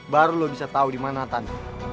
baru lu bisa tau dimana nathan